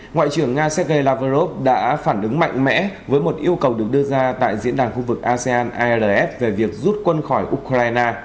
ngoại trưởng nga sergei lavrov đã phản ứng mạnh mẽ với một yêu cầu được đưa ra tại diễn đàn khu vực asean irf về việc rút quân khỏi ukraine